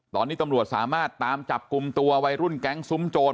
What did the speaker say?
ตอนนี้ตำรวจสามารถตามจับกลุ่มตัววัยรุ่นแก๊งซุ้มโจร